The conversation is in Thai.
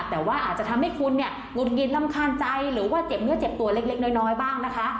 แต่ว่าอาจจะทำให้คุณเนี่ยหงุดหงิดรำคาญใจหรือว่าเจ็บเนื้อเจ็บตัวเล็กน้อยบ้างนะคะ